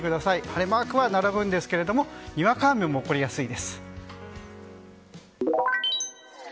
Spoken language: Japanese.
晴れマークは並ぶんですけれどもにわか雨も起こりやすいです。